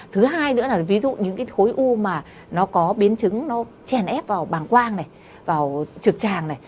thứ hai nữa là ví dụ những cái khối u mà nó có biến chứng nó chèn ép vào bàng quang này vào trực tràng này